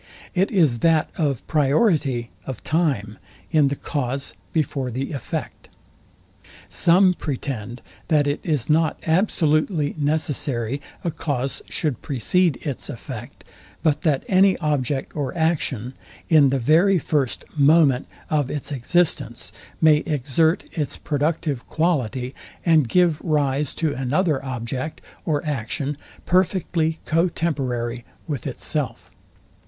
It is that of PRIORITY Of time in the cause before the effect. Some pretend that it is not absolutely necessary a cause should precede its effect; but that any object or action, in the very first moment of its existence, may exert its productive quality, and give rise to another object or action, perfectly co temporary with itself.